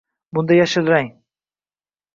Bunda yashil rang – tiriklik, taraqqiyot timsoli